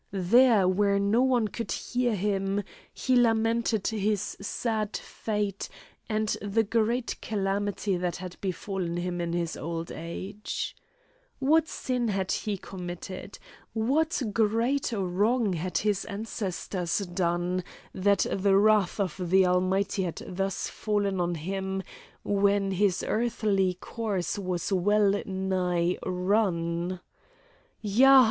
There, where no one could hear him, he lamented his sad fate, and the great calamity that had befallen him in his old age. What sin had he committed? What great wrong had his ancestors done, that the wrath of the Almighty had thus fallen on him, when his earthly course was well nigh run? "Ya!